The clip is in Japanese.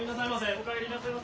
お帰りなさいませ。